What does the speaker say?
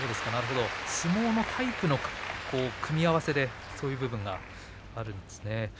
相撲のタイプ組み合わせでそういうことがあるんですね。